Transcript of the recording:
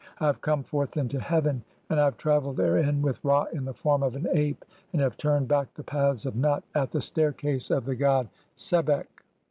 I "have come forth into heaven, and I have travelled therein with "Ra in the form of an ape, and have (4) turned back the paths "of Nut at the staircase of the god Sebek."